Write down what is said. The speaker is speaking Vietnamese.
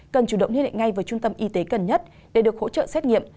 cần chủ động liên lệnh ngay với trung tâm y tế cần nhất để được hỗ trợ xét nghiệm